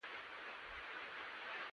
د زړونو دوستي د خبرو له لارې کېږي.